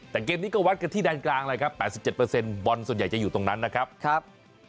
แต่เกมนี้ก็วัดกันที่แดนกลางเลยครับ๘๗บอลส่วนใหญ่จะอยู่ตรงนั้นนะครับ